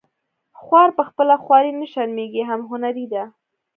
خوار په خپله خواري نه شرمیږي هم هنري دی